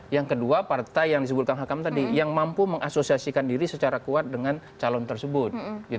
yang kedua partai yang disebutkan hakam tadi yang mampu mengasosiasikan diri secara kuat dengan calon tersebut